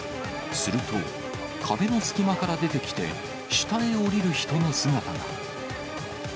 すると、壁の隙間から出てきて下へ下りる人の姿が。